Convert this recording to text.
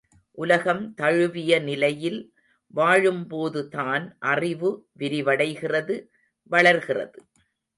உலகம் தழுவிய நிலையில் வாழும்போதுதான் அறிவு விரிவடைகிறது வளர்கிறது.